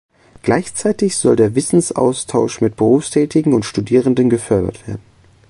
Gleichzeitig soll der Wissensaustausch mit Berufstätigen und Studierenden gefördert werden.